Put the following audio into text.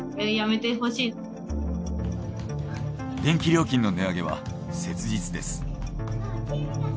電気料金の値上げは切実です。